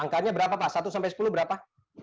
angkanya berapa pak satu sampai sepuluh berapa